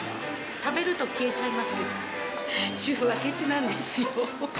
食べると消えちゃいますけど、主婦はケチなんですよ。